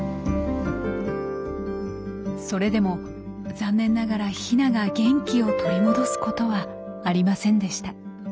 それでも残念ながらヒナが元気を取り戻すことはありませんでした。